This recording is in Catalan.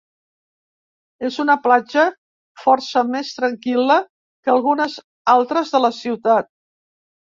És una platja força més tranquil·la que algunes altres de la ciutat.